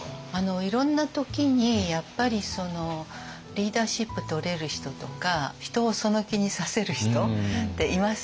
いろんな時にやっぱりリーダーシップとれる人とか人をその気にさせる人っていますよね。